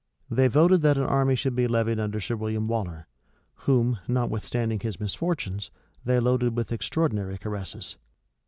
They voted that an army should be levied under Sir William Waller, whom, notwithstanding his misfortunes, they loaded with extraordinary caresses.